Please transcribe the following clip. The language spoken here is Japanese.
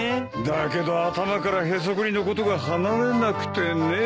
だけど頭からヘソクリのことが離れなくてね。